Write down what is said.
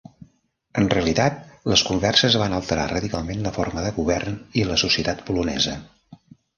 En realitat, les converses van alterar radicalment la forma de govern i la societat polonesa.